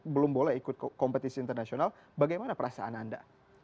belum boleh ikut kompetisi internasional bagaimana perasaan anda